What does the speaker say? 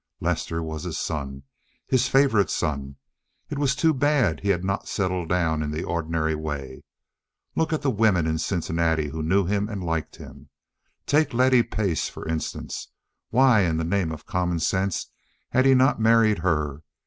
Lester was his son, his favorite son; it was too bad that he had not settled down in the ordinary way. Look at the women in Cincinnati who knew him and liked him. Take Letty Pace, for instance. Why in the name of common sense had he not married her?